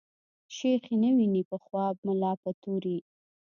شيخ ئې نه ويني په خواب ملا په توري